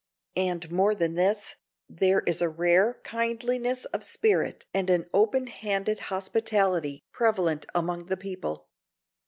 And more than this, there is a rare kindliness of spirit and an open handed hospitality prevalent among the people.